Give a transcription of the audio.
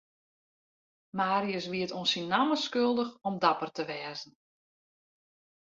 Marius wie it oan syn namme skuldich om dapper te wêze.